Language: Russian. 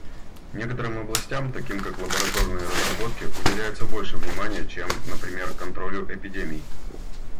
Некоторым областям, таким как лабораторные разработки, уделяется больше внимания, чем, например, контролю эпидемий.